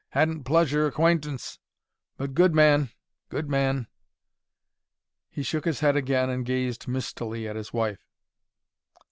"Hadn't pleasure acquaintance, but good man. Good man." He shook his head again and gazed mistily at his wife.